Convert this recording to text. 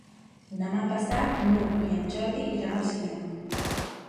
Demà passat n'Hug i en Jordi iran al cinema.